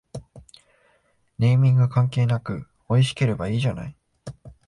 ネーミング関係なくおいしければいいじゃない